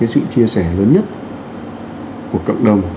sự chia sẻ lớn nhất của cộng đồng